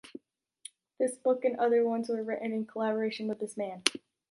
This book and other ones were written in collaboration with this man.